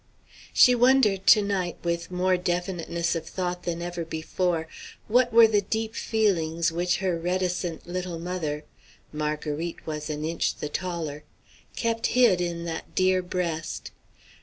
She wondered to night, with more definiteness of thought than ever before, what were the deep feelings which her reticent little mother Marguerite was an inch the taller kept hid in that dear breast.